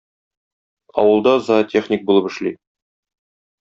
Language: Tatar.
Авылда зоотехник булып эшли.